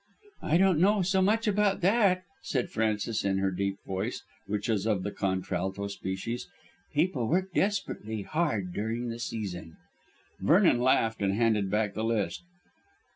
"I don't know so much about that," said Frances in her deep voice, which was of the contralto species. "People work desperately hard during the season." Vernon laughed and handed back the list.